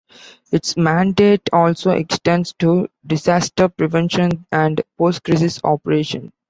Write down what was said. Its mandate also extends to disaster prevention and post-crisis operations.